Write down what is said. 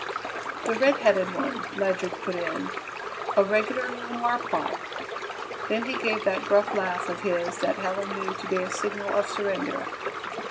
"The redheaded one," Ledyard put in; "a regular little marplot!" Then he gave that gruff laugh of his that Helen knew to be a signal of surrender.